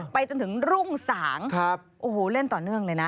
ไปจนถึงรุ่งสางโอ้โหเล่นต่อเนื่องเลยนะ